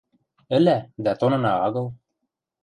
– Ӹлӓ, дӓ тонына агыл...